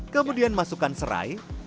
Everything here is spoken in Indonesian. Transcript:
kemudian masukkan serai